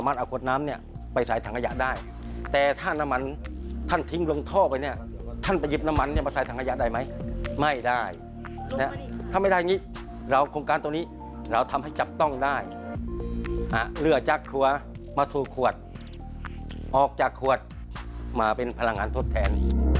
เราทำให้จับต้องได้เรือจากถัวมาสู่ขวดออกจากขวดมาเป็นพลังงานทดแทน